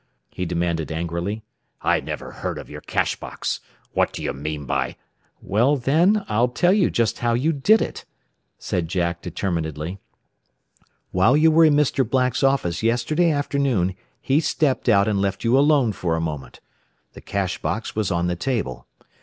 he demanded angrily. "I never heard of your cash box. What do you mean by " "Well then, I'll tell you just how you did it," said Jack determinedly. "While you were in Mr. Black's office yesterday afternoon he stepped out and left you alone for a moment. The cash box was on the table.